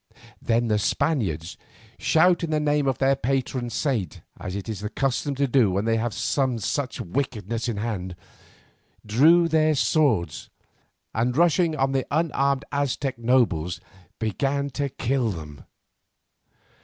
Then the Spaniards, shouting the name of their patron saint, as it is their custom to do when they have some such wickedness in hand, drew their swords, and rushing on the unarmed Aztec nobles began to kill them.